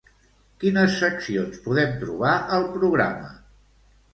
Quines seccions podem trobar al programa?